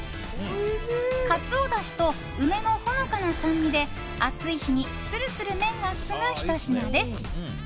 カツオだしと梅のほのかな酸味で暑い日にするする麺が進むひと品です。